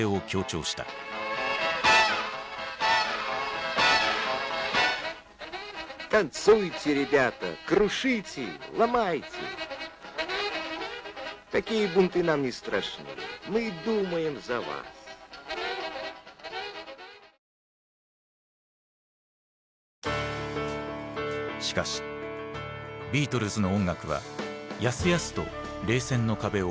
しかしビートルズの音楽はやすやすと冷戦の壁を超えた。